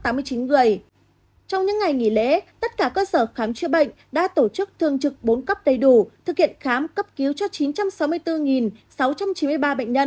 trong những ngày nghỉ lễ tất cả cơ sở khám chữa bệnh đã tổ chức thường trực bốn cấp đầy đủ thực hiện khám cấp cứu cho chín trăm sáu mươi bốn sáu trăm chín mươi ba bệnh nhân